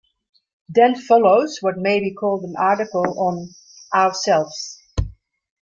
Then follows what may be called an article on "Ourselves".